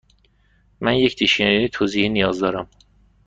من یک دیکشنری توضیحی نیاز دارم.